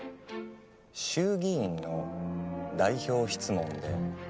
衆議院の代表質問で。